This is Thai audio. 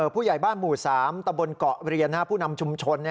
ผู้ใหญ่บ้านหมู่๓ตะบนเกาะเรียนผู้นำชุมชน